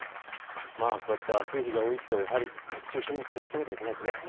こうやって暑い日が多いと熱中症に気をつけなければいけないですね。